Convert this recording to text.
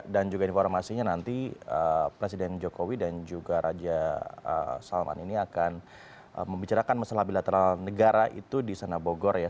dan juga informasinya nanti presiden jokowi dan juga raja salman ini akan membicarakan masalah bilateral negara itu di sana bogor ya